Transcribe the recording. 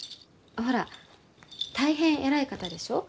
ほら大変偉い方でしょう？